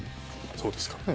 そうですからね。